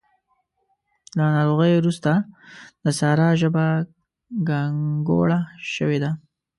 له ناروغۍ روسته د سارا ژبه ګانګوړه شوې ده.